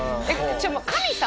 神様？